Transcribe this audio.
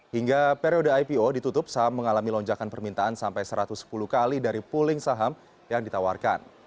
hingga periode ipo ditutup saham mengalami lonjakan permintaan sampai satu ratus sepuluh kali dari pooling saham yang ditawarkan